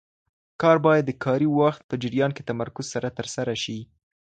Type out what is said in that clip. کار باید د کاري وخت په جریان کې تمرکز سره ترسره شي.